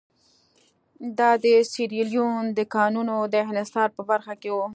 دا د سیریلیون د کانونو د انحصار په برخه کې وو.